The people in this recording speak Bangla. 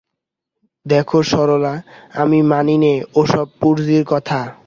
দেখো সরলা, আমি মানি নে ও-সব পুঁথির কথা।